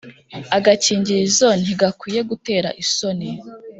Agakingirizo ntigakwiye gutera isoni